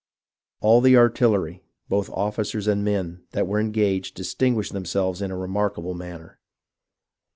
All the artillery, both officers and men, that were engaged, dis tinguished themselves in a remarkable manner.